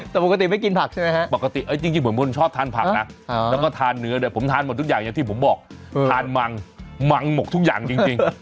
แต่ปกติไม่กินผักใช่ไหมฮะปกติจริงผมคนชอบทานผักนะแล้วก็ทานเนื้อเนี่ยผมทานหมดทุกอย่างอย่างที่ผมบอกทานมังมังหมดทุกอย่างจริง